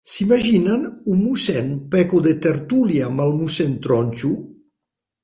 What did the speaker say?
S'imaginen un mossèn Peco de tertúlia amb el mossèn Tronxo?